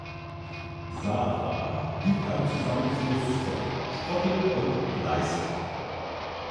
Saara liegt am Zusammenfluss von Sprotte und Pleiße.